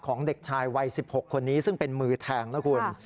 เด็กชายวัย๑๖คนนี้ซึ่งเป็นมือแทงนะคุณ